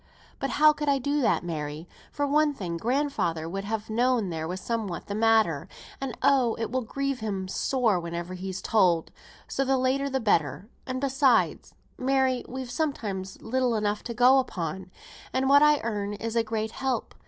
But how could I do that, Mary? For one thing, grandfather would have known there was somewhat the matter; and, oh! it will grieve him sore whenever he's told, so the later the better; and besides, Mary, we've sometimes little enough to go upon, and what I earn is a great help.